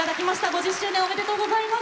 ５０周年おめでとうございます。